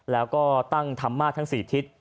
และก็ตั้งธรรมาททั้งสี่ทิศ